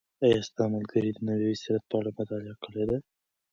آیا ستا ملګري د نبوي سیرت په اړه مطالعه کړې ده؟